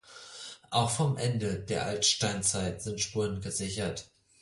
Auch vom Ende der Altsteinzeit sind Spuren gesichert.